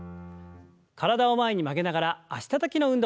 体を前に曲げながら脚たたきの運動です。